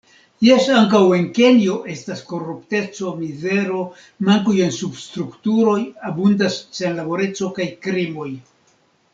Jes, ankaŭ en Kenjo estas korupteco, mizero, mankoj en substrukturoj, abundas senlaboreco kaj krimoj.